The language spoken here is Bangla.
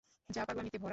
যা পাগলামিতে ভরা।